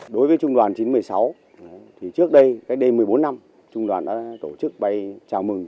đối với trung đoàn chín trăm một mươi sáu trước đây cách đây một mươi bốn năm trung đoàn đã tổ chức bay chào mừng